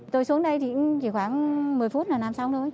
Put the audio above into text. tôi xuống đây thì chỉ khoảng một mươi phút là nằm xong thôi